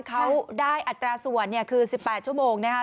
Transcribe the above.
เขาได้อัตราส่วนคือ๑๘ชั่วโมงนะครับ